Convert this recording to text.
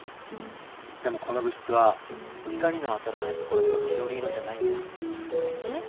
でもこの物質は光の当たらないところでは緑色じゃないんだよ。えっ？